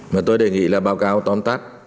mà tôi đề nghị là báo cáo tóm tắt